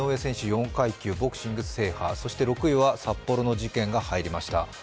４階級ボクシング制覇、そして６位は札幌の事件が入りました。